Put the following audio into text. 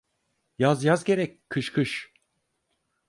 Yaz yaz gerek, kış kış.